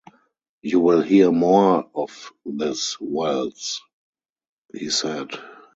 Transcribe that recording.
"You will hear more of this, Wells," he said.